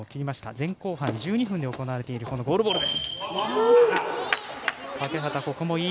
前後半１２分で行われているゴールボールです。